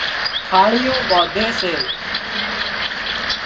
ڦاۯِيئون ٻانڌي سي